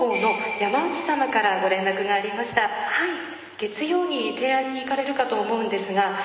月曜に提案に行かれるかと思うんですが。